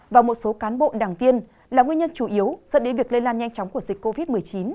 và một số cán bộ đảng viên là nguyên nhân chủ yếu dẫn đến việc lây lan nhanh chóng của dịch covid một mươi chín